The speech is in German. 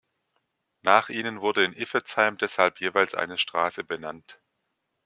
Nach ihnen wurde in Iffezheim deshalb jeweils eine Straße benannt.